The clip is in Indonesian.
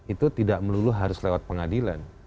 itu tidak melulu harus lewat pengadilan